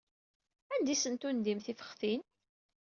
Anda ay asent-tendim tifextin?